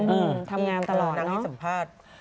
ทำงานตลอดนางให้สัมภาษณ์